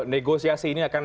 negosiasi ini akan